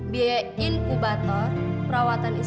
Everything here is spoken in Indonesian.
biaya inkubator perawatan istri bapak